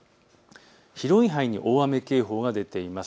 広い範囲に大雨警報が出ています。